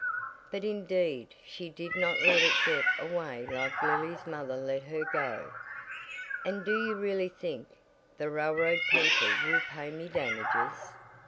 But indeed she did not let it get away like Lily's mother let her go." "And do you really think the railroad people will pay me damages?"